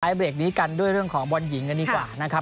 เบรกนี้กันด้วยเรื่องของบอลหญิงกันดีกว่านะครับ